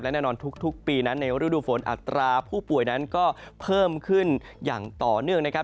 แน่นอนทุกปีนั้นในฤดูฝนอัตราผู้ป่วยนั้นก็เพิ่มขึ้นอย่างต่อเนื่องนะครับ